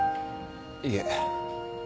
いえ。